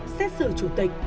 xét xử chủ tịch